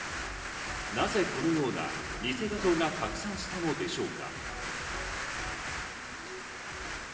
なぜこのようなニセ画像が拡散したのでしょうか。